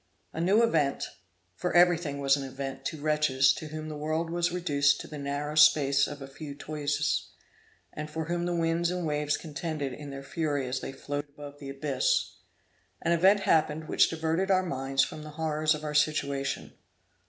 A new event, for everything was an event to wretches to whom the world was reduced to the narrow space of a few toises, and for whom the winds and waves contended in their fury as they floated above the abyss; an event happened which diverted our minds from the horrors of our situation.